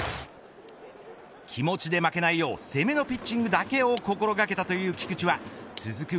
気持ちで負けないよう攻めのピッチングだけを心掛けたという菊地は続く